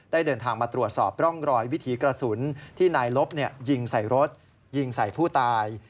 เดินทางมาตรวจสอบร่องรอยวิถีกระสุนที่นายลบยิงใส่รถยิงใส่ผู้ตาย